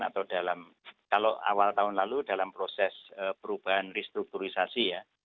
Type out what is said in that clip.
atau dalam kalau awal tahun lalu dalam proses perubahan restrukturisasi ya